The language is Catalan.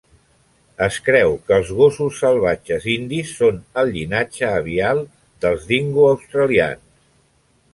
Es creu que els gossos salvatges indis són el llinatge avial dels dingo australians.